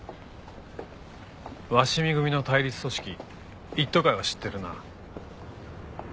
鷲見組の対立組織一途会は知ってるな？